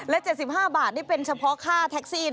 แล้วก็๗๕บาทเป็นเฉพาะค่าแท็กซี่